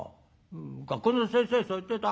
学校の先生そう言ってた。